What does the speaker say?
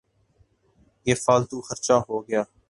یہ فالتو خرچہ ہو گیا۔